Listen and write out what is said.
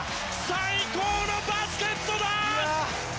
最高のバスケットだ！